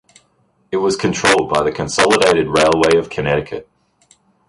It was controlled by the Consolidated Railway of Connecticut.